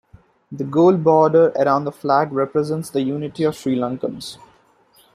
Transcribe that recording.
The Gold border around the flag represents the unity of Sri Lankans.